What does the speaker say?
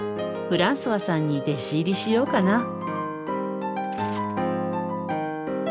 フランソワさんに弟子入りしようかな。